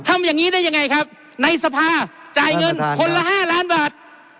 ทำอย่างนี้ได้ยังไงครับในสภาจ่ายเงินคนละ๕ล้านบาท